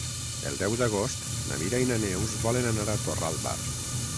El deu d'agost na Mira i na Neus volen anar a Torralba.